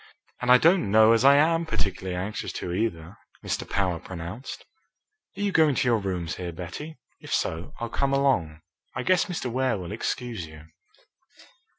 "And I don't know as I am particularly anxious to, either," Mr. Power pronounced. "Are you going to your rooms here, Betty? If so, I'll come along. I guess Mr. Ware will excuse you."